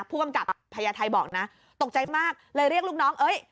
ผู้กำกับพญาไทยบอกนะตกใจมากเลยเรียกลูกน้องเอ้ย